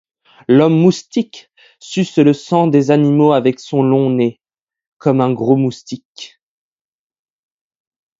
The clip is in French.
L'homme-moustique suce le sang des animaux avec son long nez, comme un gros moustique.